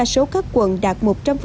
số các quận đạt một trăm linh